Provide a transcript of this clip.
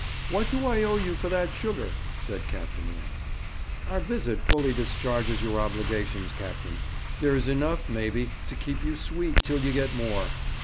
'What do I owe you for that sugar?' said Captain Lind. 'Our visit fully discharges your obligations, captain. There is enough, maybe, to keep you sweet till you get more.'